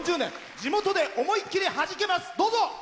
地元で思いっきりはじけます。